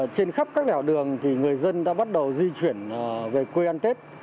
trên khắp các lẻo đường người dân đã bắt đầu di chuyển về quê ăn tết